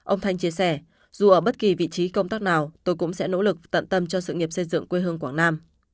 ông thanh chia sẻ dù ở bất kỳ vị trí công tác nào tôi cũng sẽ nỗ lực tận tâm cho sự nghiệp xây dựng quê hương quảng nam